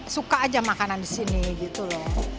suka aja makanan di sini gitu loh